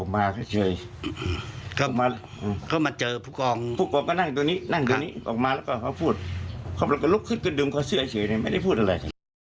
ไม่ได้พูดอะไร